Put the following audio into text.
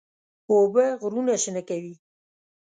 اوبه غرونه شنه کوي.